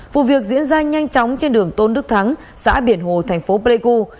vụ việc diễn ra nhanh chóng trên đường tôn đức thắng xã biển hồ thành phố pleiku